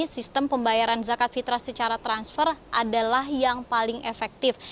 sistem pembayaran zakat fitrah secara transfer adalah yang paling efektif